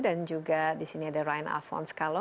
dan juga di sini ada ryan afon skalo